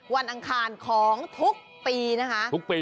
วันอังคารของทุกปีนะคะ